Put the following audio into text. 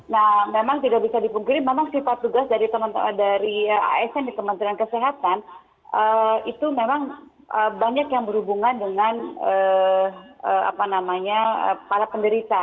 nah memang tidak bisa dipungkiri memang sifat tugas dari asn di kementerian kesehatan itu memang banyak yang berhubungan dengan apa namanya para penderita